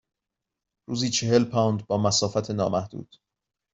روزی چهل پوند با مسافت نامحدود.